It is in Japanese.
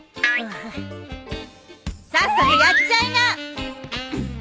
さっさとやっちゃいな！